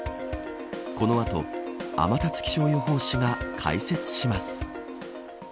この後、天達気象予報士が解説します。